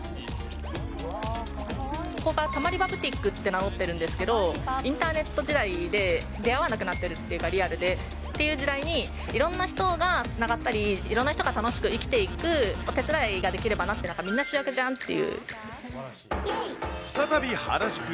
ここがタマリバブティックって名乗ってるんですけど、インターネット時代で、出会わなくなっているというか、リアルに、っていう時代にいろんな人がつながったり、いろんな人が楽しく生きていくお手伝いができればなって、なんか再び、原宿。